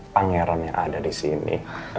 pangeran yang ada disini